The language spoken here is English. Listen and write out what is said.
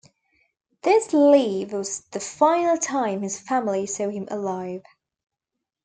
This leave was the final time his family saw him alive.